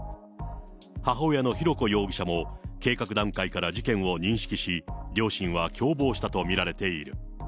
母親の浩子容疑者も、計画段階から事件を認識し、両親は共謀したと見られている。